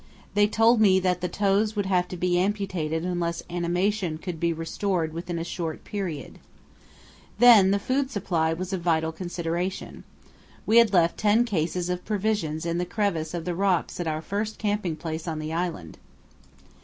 They told me that the toes would have to be amputated unless animation could be restored within a short period. Then the food supply was a vital consideration. We had left ten cases of provisions in the crevice of the rocks at our first camping place on the island.